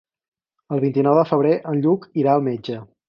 El vint-i-nou de febrer en Lluc irà al metge.